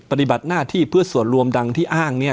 ปฏิบัติหน้าที่เพื่อส่วนรวมดังที่อ้างเนี่ย